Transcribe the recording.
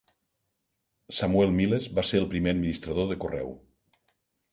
Samuel Miles va ser el primer administrador de correu.